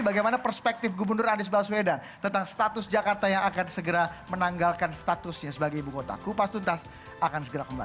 bagaimana perspektif gubernur anies baswedan tentang status jakarta yang akan segera menanggalkan statusnya sebagai ibu kota kupas tuntas akan segera kembali